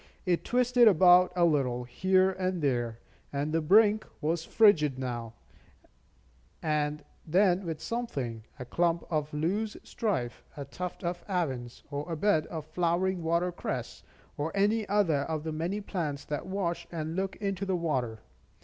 It twisted about a little, here and there; and the brink was fringed now and then with something, a clump of loosestrife, a tuft of avens, or a bed of flowering water cress, or any other of the many plants that wash and look into the water.